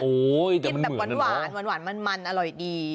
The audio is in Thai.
โอ้ยแต่เหมือนแล้วนะมันหวานมันมันอร่อยดี